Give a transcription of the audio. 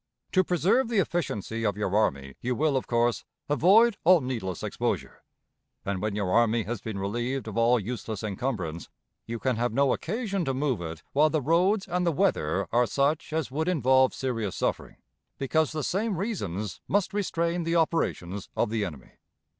To preserve the efficiency of your army, you will, of course, avoid all needless exposure; and, when your army has been relieved of all useless encumbrance, you can have no occasion to move it while the roads and the weather are such as would involve serious suffering, because the same reasons must restrain the operations of the enemy....